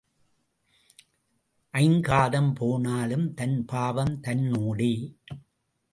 ஐங்காதம் போனாலும் தன் பாவம் தன்னோடே.